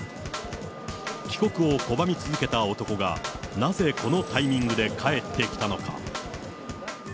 帰国を拒み続けた男が、なぜこのタイミングで帰ってきたのか。